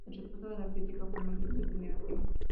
La respuesta de la crítica fue mayormente negativa.